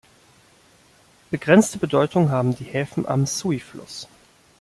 Begrenzte Bedeutung haben die Häfen am Sui-Fluss.